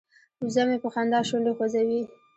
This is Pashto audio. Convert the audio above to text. وزه مې په خندا شونډې خوځوي.